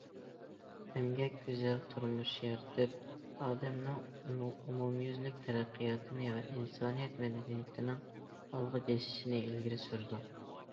ئەمگەك گۈزەل تۇرمۇش يارىتىپ، ئادەمنىڭ ئومۇميۈزلۈك تەرەققىياتى ۋە ئىنسانىيەت مەدەنىيىتىنىڭ ئالغا بېسىشىنى ئىلگىرى سۈرىدۇ.